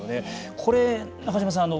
これ、中嶋さん